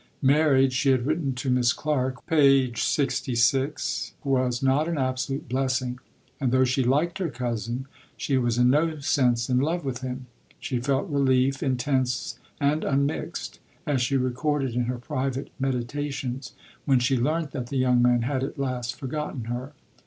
Marriage, she had written to Miss Clarke (p. 66), was not an absolute blessing; and though she liked her cousin, she was in no sense in love with him. She felt relief, intense and unmixed, as she recorded in her private meditations, when she learnt that the young man had at last forgotten her.